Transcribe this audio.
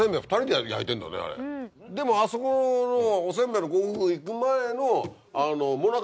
でもあそこのおせんべいのご夫婦行く前の。